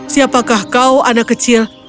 siapakah kau anak kecil yang menangkapku